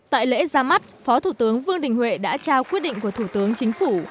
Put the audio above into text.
tại lễ ra mắt phó thủ tướng vương đình huệ đã trao quyết định của thủ tướng chính phủ